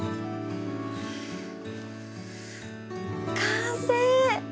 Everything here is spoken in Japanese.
完成！